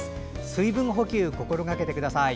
水分補給心がけてください。